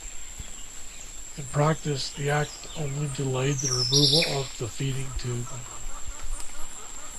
In practice, the act only delayed the removal of the feeding tube.